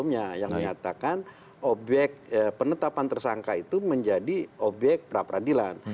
yang menyatakan obyek penetapan tersangka itu menjadi obyek prapradilan